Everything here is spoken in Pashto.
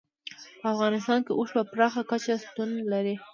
په افغانستان کې اوښ په پراخه کچه شتون لري.